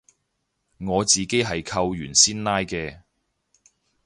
我自己係扣完先拉嘅